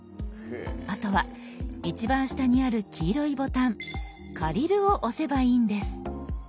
あとは一番下にある黄色いボタン「借りる」を押せばいいんです。